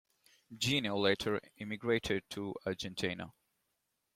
Jenő later emigrated to Argentina.